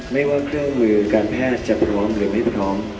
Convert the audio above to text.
ไม่ว่าเครื่องมือการแพทย์จะพร้อมหรือไม่พร้อม